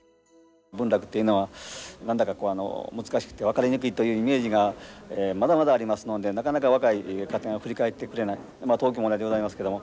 文楽というのは何だか難しくて分かりにくいというイメージがまだまだありますのでなかなか若い方が振り返ってくれないというような状態でございますけども。